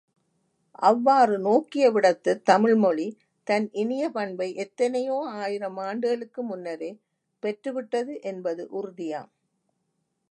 அவ்வாறு நோக்கியவிடத்துத் தமிழ்மொழி, தன் இனிய பண்பை எத்தனையோ ஆயிரம் ஆண்டுகளுக்கு முன்னரே பெற்றுவிட்டது என்பது உறுதியாம்.